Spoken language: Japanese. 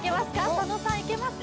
佐野さんいけますか？